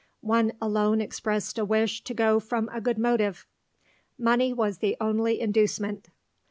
One alone expressed a wish to go from a good motive. Money was the only inducement."